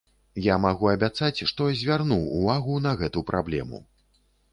Я магу абяцаць, што звярну ўвагу на гэту праблему.